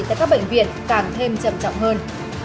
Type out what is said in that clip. tại các bệnh viện càng thêm trầm trọng hơn